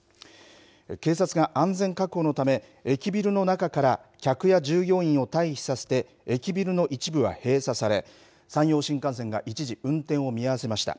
警察が安全確保のため、駅ビルの中から客や従業員を退避させて、駅ビルの一部は閉鎖され、山陽新幹線が一時、運転を見合わせました。